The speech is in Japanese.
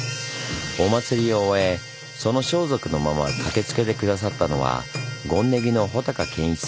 お祭りを終えその装束のまま駆けつけて下さったのは権禰宜の穗賢一さんです。